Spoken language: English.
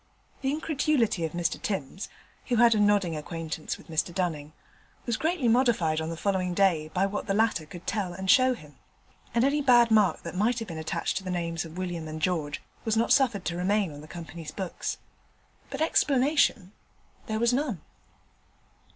The incredulity of Mr Timms (who had a nodding acquaintance with Mr Dunning) was greatly modified on the following day by what the latter could tell and show him; and any bad mark that might have been attached to the names of William and George was not suffered to remain on the Company's books; but explanation there was none.